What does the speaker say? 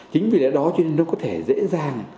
chính vì lẽ đó cho nên nó có thể dễ dàng